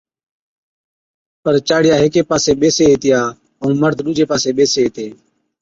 پر چاڙِيا ھيڪي پاسي ٻيسي ھِتيا ائُون مرد ڏُوجي پاسي ٻيسي ھِتي